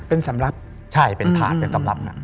เป็นสำหรับใช่เป็นถาดเป็นสำหรับน่ะ